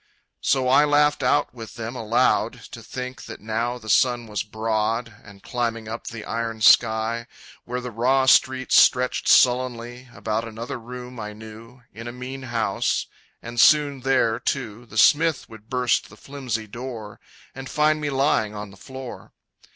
So I laughed out with them aloud To think that now the sun was broad, And climbing up the iron sky, Where the raw streets stretched sullenly About another room I knew, In a mean house and soon there, too, The smith would burst the flimsy door And find me lying on the floor.